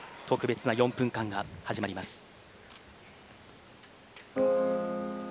特別な４分間が始まります。